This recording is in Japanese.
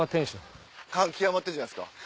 感極まってんじゃないですか？